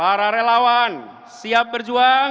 para relawan siap berjuang